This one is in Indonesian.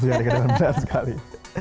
dua puluh tujuh hari ke depan sekali